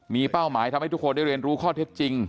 มีเป้าหมายทำให้ทุกคนได้เรียนรู้ข้อเท็จจริง